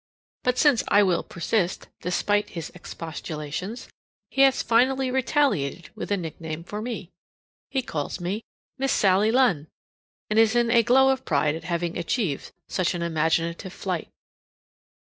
But since I will persist, despite his expostulations, he has finally retaliated with a nickname for me. He calls me "Miss Sally Lunn," and is in a glow of pride at having achieved such an imaginative flight.